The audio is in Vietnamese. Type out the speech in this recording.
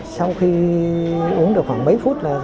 sau khi uống được phần bệnh viện bệnh nhân đã tự tử